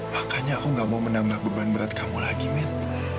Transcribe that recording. makanya aku gak mau menambah beban berat kamu lagi mit